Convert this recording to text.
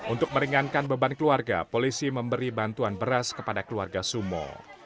untuk meringankan beban keluarga polisi memberi bantuan beras kepada keluarga sumo